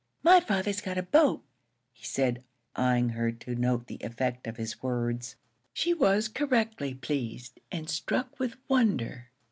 My father's got a boat," he said, eying her to note the effect of his words. She was correctly pleased and struck with wonder.